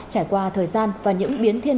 trải qua thời gian và những biến thiên